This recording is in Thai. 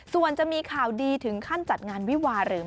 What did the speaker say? สวัสดีคุณแม่